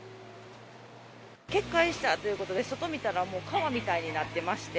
決壊したということで、外見たら、もう川みたいになってまして。